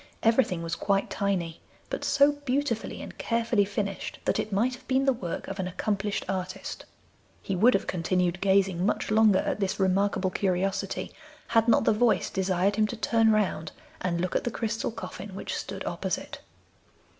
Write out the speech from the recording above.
Everything was quite tiny, but so beautifully and carefully finished that it might have been the work of an accomplished artist. He would have continued gazing much longer at this remarkable curiosity had not the voice desired him to turn round and look at the crystal coffin which stood opposite.